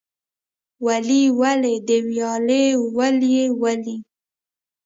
ولي ولې د ویالې ولې ولې؟